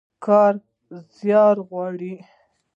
کار زيار غواړي.